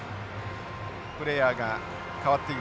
プレーヤーが代わっています。